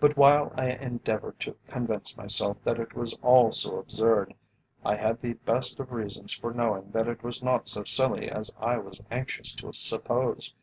But while I endeavoured to convince myself that it was all so absurd, I had the best of reasons for knowing that it was not so silly as I was anxious to suppose.